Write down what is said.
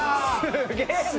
すげえな！